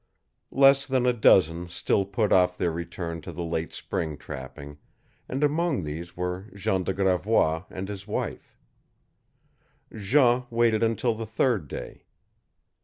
Less than a dozen still put off their return to the late spring trapping, and among these were Jean de Gravois and his wife. Jean waited until the third day.